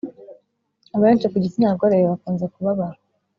abenshi kugitsina gore bakunze kubabara